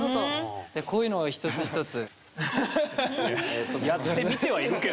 でこういうのを一つ一つ。